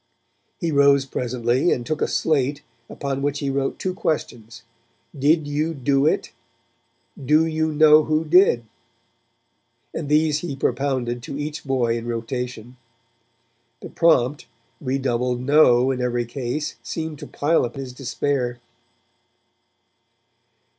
He rose presently and took a slate, upon which he wrote two questions: 'Did you do it?' 'Do you know who did?' and these he propounded to each boy in rotation. The prompt, redoubled 'No' in every case seemed to pile up his despair.